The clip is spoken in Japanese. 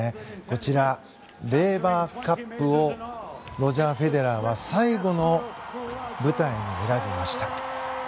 こちら、レーバーカップをロジャー・フェデラーは最後の舞台に選びました。